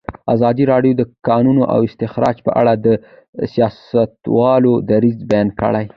ازادي راډیو د د کانونو استخراج په اړه د سیاستوالو دریځ بیان کړی.